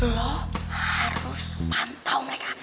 lo harus pantau mereka